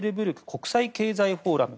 国際経済フォーラム。